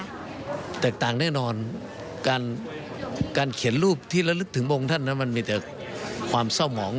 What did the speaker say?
มันแตกต่างแน่นอนการเขียนรูปที่ละลึกถึงโภงธรรมมันมีแต่ความเศร้าหมา